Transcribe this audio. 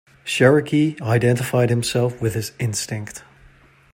Cherokee identified himself with his instinct.